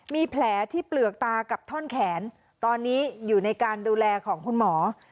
มีแผลที่เปลือกตากับท่อนแขนตอนนี้อยู่ในการดูแลของคุณหมอ